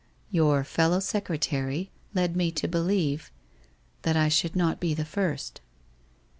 ' Your fellow secretary led me to believe — that I should not be the first.